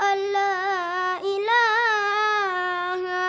ya allah aku berdoa kepada tuhan